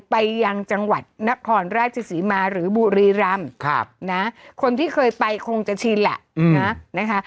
ไปยังจังหวัดนครราชศรีมาหรือบุรีรำคนที่เคยไปคงจะชินแหละนะนะคะ